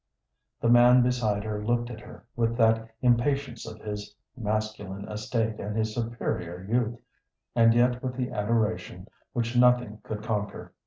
The man beside her looked at her with that impatience of his masculine estate and his superior youth, and yet with the adoration which nothing could conquer.